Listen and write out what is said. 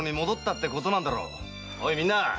おいみんな！